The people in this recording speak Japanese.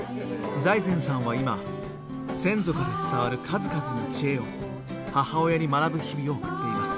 財前さんは今先祖から伝わる数々の知恵を母親に学ぶ日々を送っています。